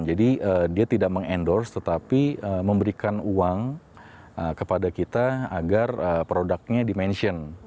dia tidak mengendorse tetapi memberikan uang kepada kita agar produknya di mention